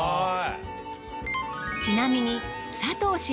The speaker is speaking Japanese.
ちなみに。